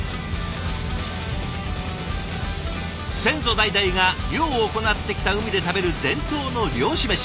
先祖代々が漁を行ってきた海で食べる伝統の漁師メシ。